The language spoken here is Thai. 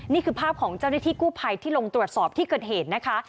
นี่คือภาพของเจ้าหน้าที่กู้ภัยที่ลงตรวจสอบที่เกิดเหตุนะคะ